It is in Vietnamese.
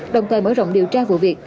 đồng thời mở rộng điều tra vụ việc